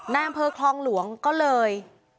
นางเภอคลองหลวงก็เลย